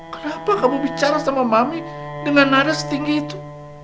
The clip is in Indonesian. kenapa kamu bicara sama mami dengan nada setinggi itu